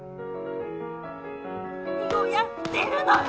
何をやってるのよ